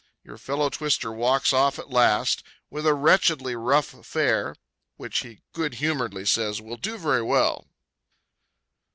Your fellow twister walks off at last, with a wretchedly rough affair, which he good humoredly says "will do very well."